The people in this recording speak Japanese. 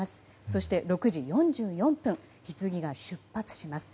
そして６時４４分ひつぎが出発します。